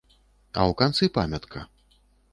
А ў канцы памятка.